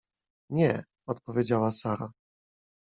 — Nie — odpowiedziała Sara.